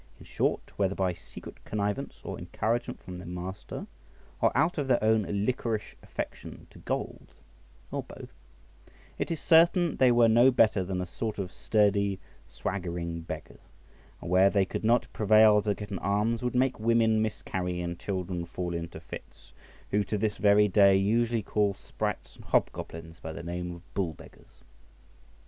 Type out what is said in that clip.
In short, whether by secret connivance or encouragement from their master, or out of their own liquorish affection to gold, or both, it is certain they were no better than a sort of sturdy, swaggering beggars; and where they could not prevail to get an alms, would make women miscarry and children fall into fits; who to this very day usually call sprites and hobgoblins by the name of bull beggars.